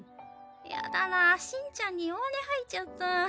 やだなしんちゃんに弱音吐いちゃった。